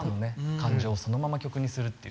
感情をそのまま曲にするっていう。